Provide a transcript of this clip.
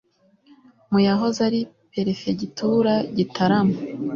mu yahoze ari perefegitura gitarama